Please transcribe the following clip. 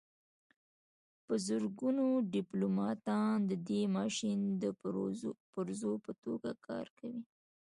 په زرګونو ډیپلوماتان د دې ماشین د پرزو په توګه کار کوي